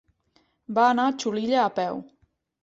Va anar a Xulilla a peu.